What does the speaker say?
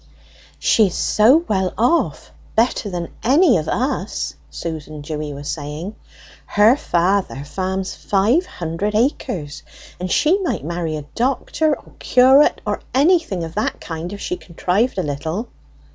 "She is so well off better than any of us," Susan Dewy was saying. "Her father farms five hundred acres, and she might marry a doctor or curate or anything of that kind if she contrived a little."